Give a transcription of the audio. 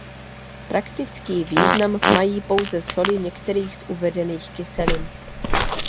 Praktický význam mají pouze soli některých z uvedených kyselin.